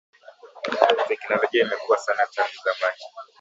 Teknologia imekua sana tangu zamani.